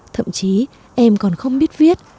thậm chí em còn không biết viết